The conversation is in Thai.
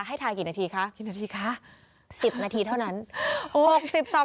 ให้ทานกี่นาทีคะสิบนาทีเท่านั้นสิบนาทีคะ